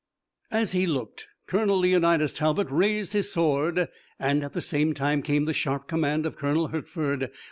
As he looked, Colonel Leonidas Talbot raised his sword, and at the same time came the sharp command of Colonel Hertford.